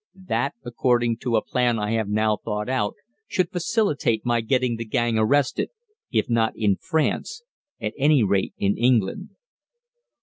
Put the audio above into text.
That, according to a plan I have now thought out, should facilitate my getting the gang arrested, if not in France, at any rate in England."